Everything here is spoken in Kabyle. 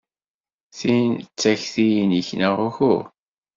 Tin d takti-nnek, neɣ uhu?